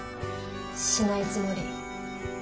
しないつもり。